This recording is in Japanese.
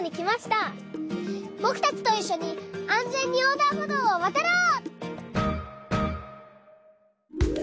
ぼくたちといっしょにあんぜんにおうだんほどうをわたろう！